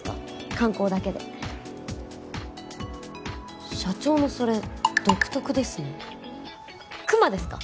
観光だけで社長のそれ独特ですねクマですか？